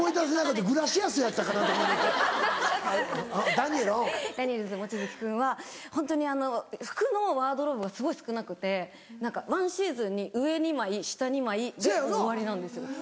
ダニエルズの望月君はホントに服のワードローブがすごい少なくてワンシーズンに上２枚下２枚で終わりなんです。